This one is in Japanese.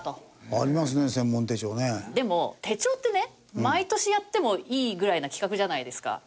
でも手帳ってね毎年やってもいいぐらいな企画じゃないですか。